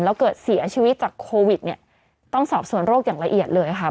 แล้วเกิดเสียชีวิตจากโควิดเนี่ยต้องสอบส่วนโรคอย่างละเอียดเลยค่ะ